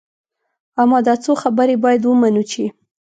اما دا څو خبرې باید ومنو چې.